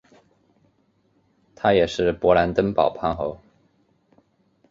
他也是勃兰登堡藩侯。